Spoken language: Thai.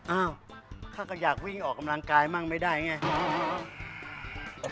อ้าวเขาก็อยากวิ่งออกกำลังกายมั่งไม่ได้ไง